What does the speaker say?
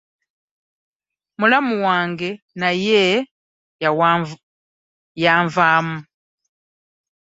Mulamu wange naye yanvaamu!